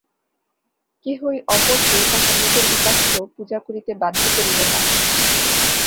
কেহই অপরকে তাহার নিজের উপাস্য পূজা করিতে বাধ্য করিবে না।